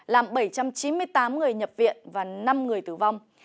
làm bảy trăm chín mươi tám người nhập viện và năm người tử vong